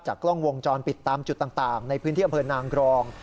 กล้องวงจรปิดตามจุดต่างในพื้นที่อำเภอนางกรอง